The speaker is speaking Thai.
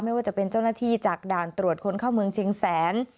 ไม่ว่าจะเป็นเจ้าหน้าที่จากด่านตรวจคนเข้าเมืองเชียงแสน